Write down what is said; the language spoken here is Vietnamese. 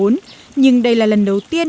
nói chung là lần đầu tiên